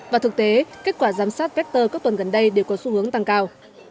và thực tế kết quả giám sát vector các tuần gần đây đều có xu hướng tăng cao